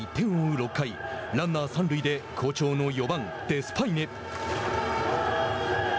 ６回ランナー三塁で好調の４番デスパイネ。